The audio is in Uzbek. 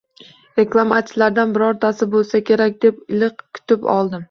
Reklamachilardan birortasi bo`lsa kerak deb iliq kutib oldim